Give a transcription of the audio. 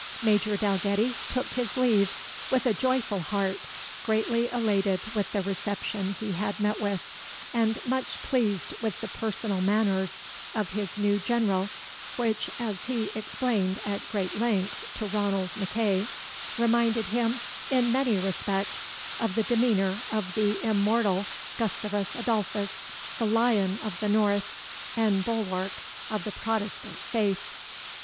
Major Dalgetty took his leave with a joyful heart greatly elated with the reception he had met with, and much pleased with the personal manners of his new General, which, as he explained at great length to Ranald MacEagh, reminded him in many respects of the demeanour of the immortal Gustavus Adolphus, the Lion of the North, and Bulwark of the Protestant Faith.